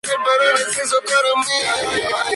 Nació y se crio en Austin, Texas.